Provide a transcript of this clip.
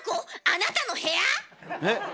あなたの部屋⁉え？